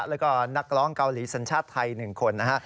แล้วก็นักร้องเกาหลีสัญชาติไทย๑คนนะฮะ